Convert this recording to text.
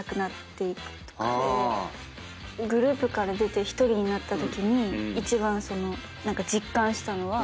グループから出て１人になったときに一番実感したのは。